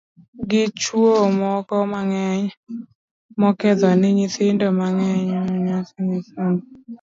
gi chuwo moko mang'eny nokedho ni nyithindo mang'eny manyiri somb gi